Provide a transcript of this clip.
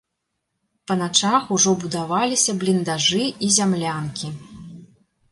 Па начах ужо будаваліся бліндажы і зямлянкі.